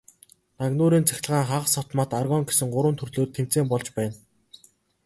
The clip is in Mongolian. Гагнуурын цахилгаан, хагас автомат, аргон гэсэн гурван төрлөөр тэмцээн болж байна.